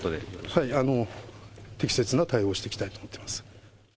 はい、適切な対応をしていきたいと思っています。